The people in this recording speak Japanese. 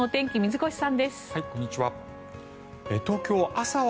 こんにちは。